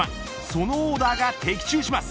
そのオーダーが的中します。